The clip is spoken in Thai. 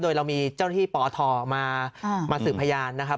โดยเรามีเจ้าหน้าที่ปอทมาสืบพยานนะครับ